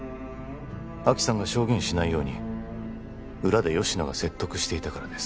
亜希さんが証言しないように裏で吉乃が説得していたからです